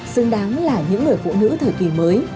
xứng đáng là những người phụ nữ thời kỳ mới